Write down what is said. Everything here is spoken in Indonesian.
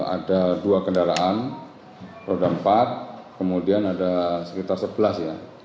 ada dua kendaraan roda empat kemudian ada sekitar sebelas ya